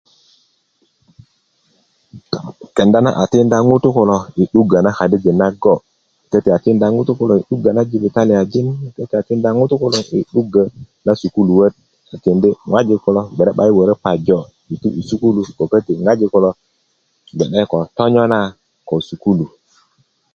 kenda na a tikinda ŋutu kulo i 'dukö na kadijik nago' köti' a tikinda ŋutuu yi 'duggö na jibitalia köti' yi 'duggö na sukuluöt a tindi' ŋojik kulo bge 'bayin woro pajo i sukulwöt ko köti' ŋojik kulo bge ko tonyona ko sukulu